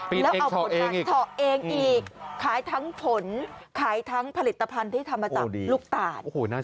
ปีนเองเฉาะเองอีกเฉาะเองอีกขายทั้งผลขายทั้งผลิตภัณฑ์ที่ทำมาจากลูกตาล